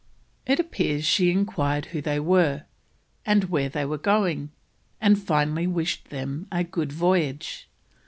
It appears she enquired who they were, and where they were going, and finally wished them a good voyage.